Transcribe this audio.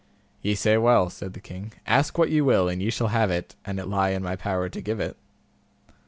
Ye say well, said the king; ask what ye will and ye shall have it, an it lie in my power to give it.